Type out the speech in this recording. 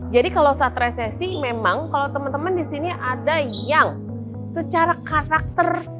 jadi kalau saat resesi memang kalau teman teman disini ada yang secara karakter